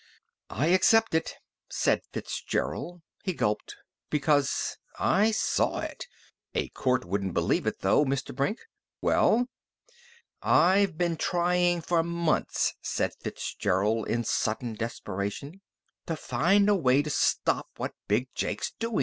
"I accept it," said Fitzgerald. He gulped. "Because I saw it. A court wouldn't believe it, though, Mr. Brink!" "Well?" "I've been tryin' for months," said Fitzgerald in sudden desperation, "to find a way to stop what Big Jake's doin'.